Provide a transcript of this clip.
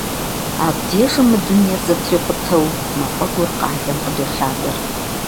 Абдежым мы дунейр зэтрикъутэу мафӏэгур къалэм къыдолъадэр.